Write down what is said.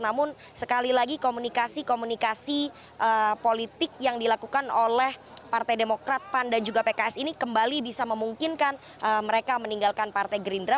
namun sekali lagi komunikasi komunikasi politik yang dilakukan oleh partai demokrat pan dan juga pks ini kembali bisa memungkinkan mereka meninggalkan partai gerindra